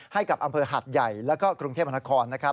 ให้กับอำเภอหาดใหญ่แล้วก็กรุงเทพมนครนะครับ